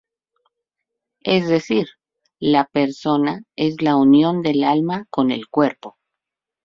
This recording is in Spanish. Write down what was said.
Es decir, la Persona es la unión del alma con el cuerpo.